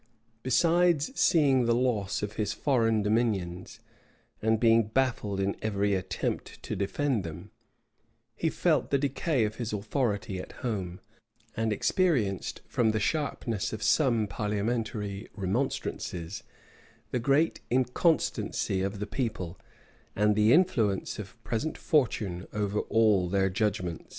Besides seeing the loss of his foreign dominions, and being baffled in every attempt to defend them, he felt the decay of his authority at home; and experienced, from the sharpness of some parliamentary remonstrances, the great inconstancy of the people, and the influence of present fortune over all their judgments.